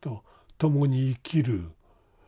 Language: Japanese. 共に生きる。